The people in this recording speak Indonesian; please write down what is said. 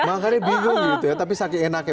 makannya bingung gitu ya tapi sakit enak ya